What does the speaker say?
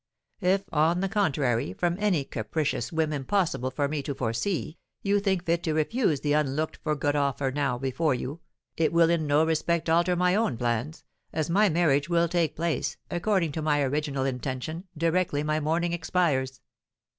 If, on the contrary, from any capricious whim impossible for me to foresee, you think fit to refuse the unlooked for good offer now before you, it will in no respect alter my own plans, as my marriage will take place, according to my original intention, directly my mourning expires.